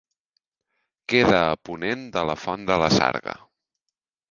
Queda a ponent de la Font de la Sarga.